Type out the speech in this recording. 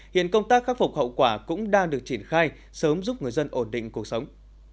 hiện công tác khắc phục hậu quả cũng đang được triển khai sớm giúp người dân ổn định cuộc sống